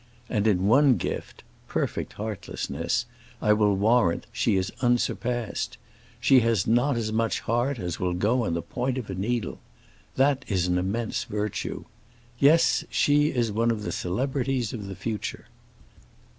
And in one gift—perfect heartlessness—I will warrant she is unsurpassed. She has not as much heart as will go on the point of a needle. That is an immense virtue. Yes, she is one of the celebrities of the future."